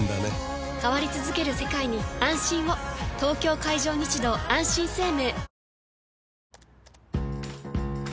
東京海上日動あんしん生命